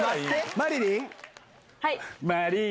マリリン？